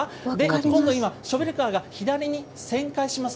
今度今、ショベルカーが左に旋回します。